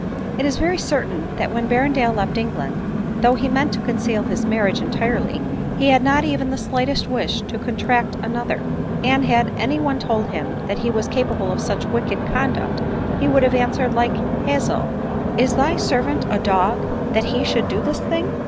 It is very certain that when Berrendale left England, though he meant tc^onceal his marriage entirely, he had not even the slightest wish to contract another ; and had any one told him that he was capable of such wicked conduct, he would have answered like Hazael, "Is thy servant a dog that he should do this thing?"